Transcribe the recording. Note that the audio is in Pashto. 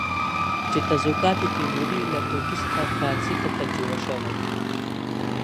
چې تزوکات تیموري له ترکي څخه فارسي ته ترجمه شوی.